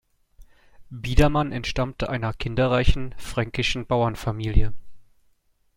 Biedermann entstammte einer kinderreichen fränkischen Bauernfamilie.